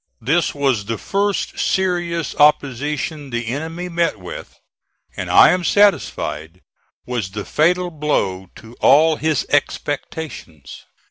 This was the first serious opposition the enemy met with, and I am satisfied was the fatal blow to all his expectations.